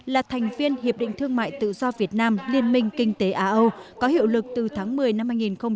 là thành viên hiệp định thương mại tự do việt nam liên minh kinh tế á âu có hiệu lực từ tháng một mươi năm hai nghìn một mươi tám